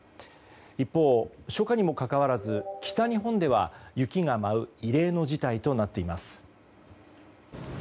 一方、初夏にもかかわらず北日本では雪が舞う異例の事態となっています。